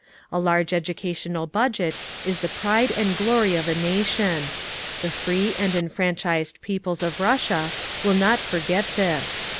A large educational budget is the pride and glory of a nation. The free and enfranchised peoples of Russia will not forget this.